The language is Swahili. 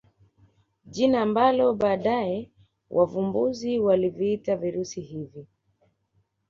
Jina ambalo baadaye wavumbuzi waliviita virusi hivi